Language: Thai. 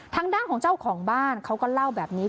ทางด้านของเจ้าของบ้านเขาก็เล่าแบบนี้